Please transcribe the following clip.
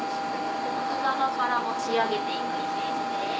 奥側から持ち上げていくイメージで。